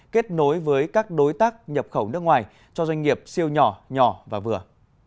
kết nối với các đối tác nhập khẩu nước ngoài cho doanh nghiệp siêu nhỏ nhỏ và vừa